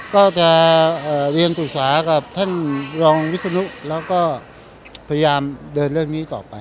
ก็จะเรียนปรึกษากับท่านรองวิศนุแล้วก็พยายามเดินเรื่องนี้ต่อไป